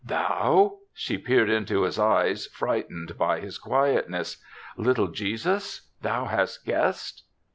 "Thou!'* She peered into his eyes, frightened by his quietness, " Little Jesus, thou hast guessed?